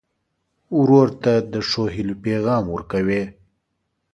ورور ته د ښو هيلو پیغام ورکوې.